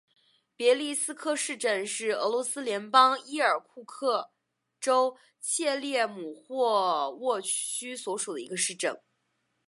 别利斯克市镇是俄罗斯联邦伊尔库茨克州切列姆霍沃区所属的一个市镇。